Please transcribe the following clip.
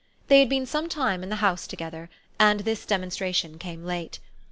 They had been some time in the house together, and this demonstration came late.